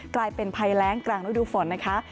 กลายเป็นภัยแรงกลางฤดูฝนนะคะ